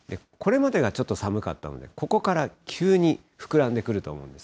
これまでがちょっと寒かったので、ここから急に膨らんでくると思う